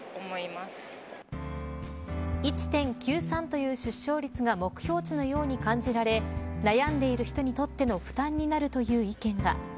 １．９３という出生率が目標値のように感じられ悩んでる人にとっての負担になるという意見が。